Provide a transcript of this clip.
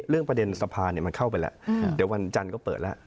เรื่องประเด็นสะพานมันเข้าไปแล้วเดี๋ยววันจันทร์ก็เปิดแล้ว